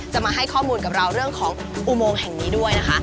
มาให้ข้อมูลกับเราเรื่องของอุโมงแห่งนี้ด้วยนะคะ